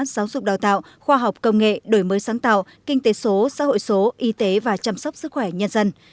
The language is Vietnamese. giáo dục đào tạo khoa học công nghệ đổi mới sáng tạo kinh tế số xã hội số y tế và chăm sóc sức khỏe nhân dân